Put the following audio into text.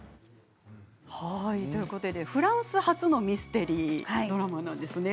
フランス発のミステリーなんですね。